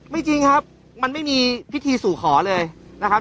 จริงครับมันไม่มีพิธีสู่ขอเลยนะครับ